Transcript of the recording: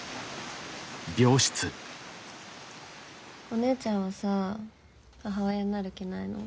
お姉ちゃんはさ母親になる気ないの？